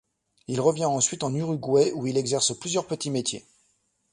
Il revient ensuite en Uruguay où il exerce plusieurs petits métiers.